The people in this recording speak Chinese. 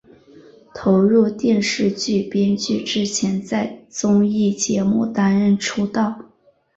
投入电视剧编剧之前在综艺节目担任出道。